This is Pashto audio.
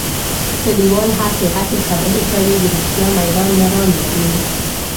کلیوال هسې غټې خبرې کوي. د رښتیا میدان نران نه دي.